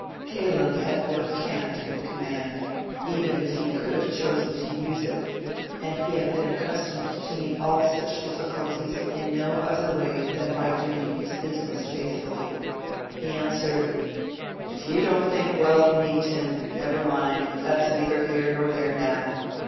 Caleb had no cant at command, even if he could have chosen to use it; and he had been accustomed to meet all such difficulties in no other way than by doing his "business" faithfully. He answered— "If you don't think well of me, Tim, never mind; that's neither here nor there now.